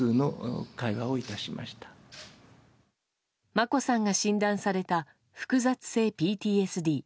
眞子さんが診断された複雑性ＰＴＳＤ。